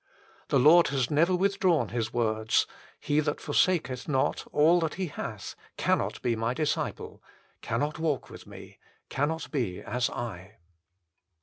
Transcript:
The Lord has never withdrawn His words :" He that forsaketh not all that he hath cannot be My disciple, cannot walk with Me, cannot be .is I."